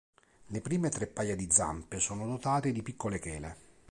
Le prime tre paia di zampe sono dotate di piccole chele.